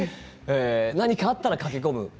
何かあったら駆け込む。